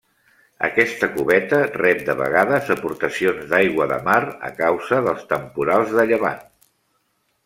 Aquesta cubeta rep de vegades aportacions d'aigua de mar a causa dels temporals de llevant.